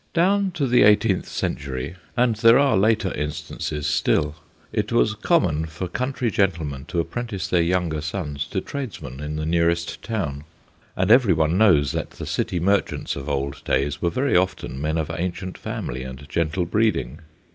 Down to the eighteenth century and there are later instances still it was common for country gentlemen to apprentice their younger sons to tradesmen in the nearest town, and every one knows that the City merchants of old days were very often men of ancient family and gentle breeding.